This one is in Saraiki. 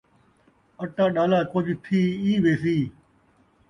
اَٹا ݙالا کجھ تھی ءِی ویسی